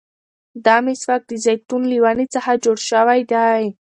دا مسواک د زيتون له ونې څخه جوړ شوی دی.